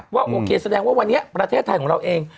ว่าโอเคแสดงว่าวันนี้ประเทศไทยของเราเอง